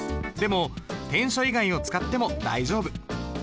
でも篆書以外を使っても大丈夫。